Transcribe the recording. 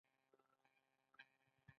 خلک د ډوډۍ لپاره نانواییو ته ځي.